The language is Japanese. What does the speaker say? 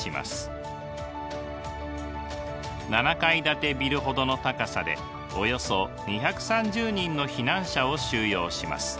７階建てビルほどの高さでおよそ２３０人の避難者を収容します。